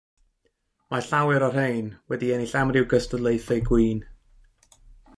Mae llawer o'r rhain wedi ennill amryw gystadlaethau gwin.